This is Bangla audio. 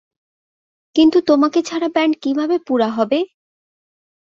কিন্তু তোমাকে ছাড়া ব্যান্ড কিভাবে পুরা হবে?